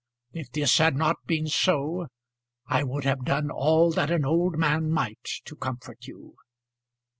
If this had not been so, I would have done all that an old man might to comfort you."